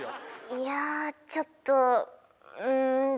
いやちょっとうんえ